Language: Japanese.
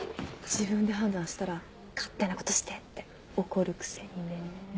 自分で判断したら「勝手なことして」って怒るくせにねぇ。